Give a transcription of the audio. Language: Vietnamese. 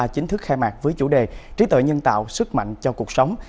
chính thức khai mạc với chủ đề trí tuệ nhân tạo sức mạnh cho cuộc sống